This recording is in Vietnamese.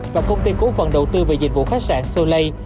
và công ty cổ phần đầu tư về dịch vụ khách sạn sô lây